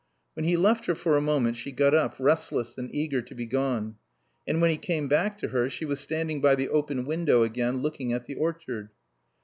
When he left her for a moment she got up, restless and eager to be gone. And when he came back to her she was standing by the open window again, looking at the orchard.